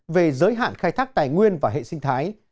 về giới hạn khai thác tài nguyên và hệ sinh thái